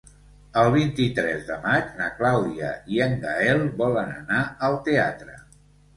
El vint-i-tres de maig na Clàudia i en Gaël volen anar al teatre.